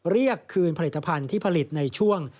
เรียกคืนผลิตภัณฑ์ที่ผลิตในช่วง